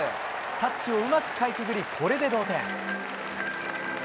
タッチをうまくかいくぐり、これで同点。